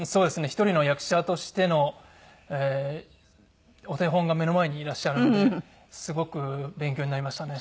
一人の役者としてのお手本が目の前にいらっしゃるのですごく勉強になりましたね。